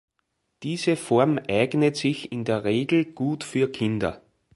Diese Form eignet sich in der Regel gut für Kinder.